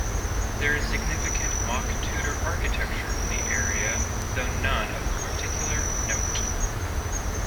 There is significant mock Tudor architecture in the area though none of particular note.